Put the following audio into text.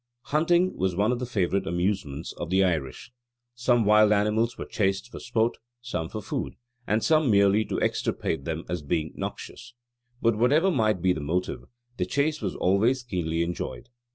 Hunting was one of the favourite amusements of the Irish. Some wild animals were chased for sport, some for food, and some merely to extirpate them as being noxious; but whatever might be the motive, the chase was always keenly enjoyed.